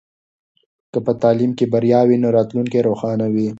که په تعلیم کې بریا وي نو راتلونکی روښانه وي.